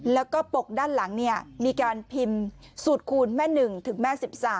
แล้วก็ปกด้านหลังมีการพิมพ์สูตรคูณแม่๑ถึงแม่๑๓